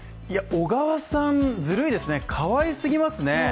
小川さん、ずるいですね、かわいすぎますね。